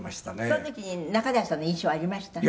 「その時に仲代さんの印象ありました？」